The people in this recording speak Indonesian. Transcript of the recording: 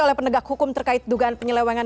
oleh penegak hukum terkait dugaan penyelewangan